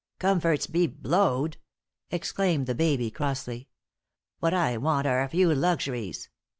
"Comforts be blowed!" exclaimed the baby, crossly. "What I want are a few luxuries.